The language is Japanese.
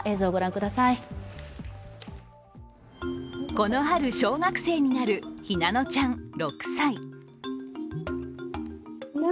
この春、小学生になる日南乃ちゃん６歳。